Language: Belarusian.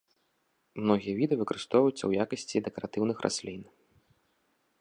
Многія віды выкарыстоўваюцца ў якасці дэкаратыўных раслін.